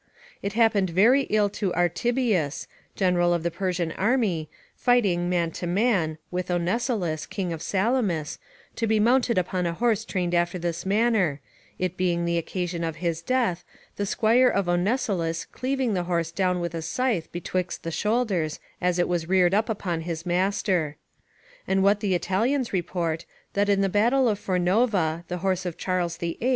It happened very ill to Artybius, general of the Persian army, fighting, man to man, with Onesilus, king of Salamis, to be mounted upon a horse trained after this manner, it being the occasion of his death, the squire of Onesilus cleaving the horse down with a scythe betwixt the shoulders as it was reared up upon his master. And what the Italians report, that in the battle of Fornova, the horse of Charles VIII.